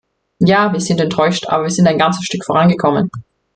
Ja, wir sind enttäuscht, aber wir sind ein ganzes Stück vorangekommen.